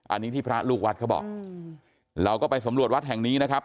อันนี้ที่พระลูกวัดเขาบอกเราก็ไปสำรวจวัดแห่งนี้นะครับ